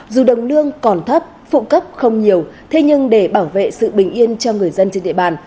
dù đồng lương còn thấp phụ cấp không nhiều thế nhưng để bảo vệ sự bình yên cho người dân trên địa bàn